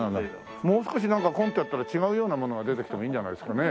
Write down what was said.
もう少しなんかコンってやったら違うようなものが出てきてもいいんじゃないですかね？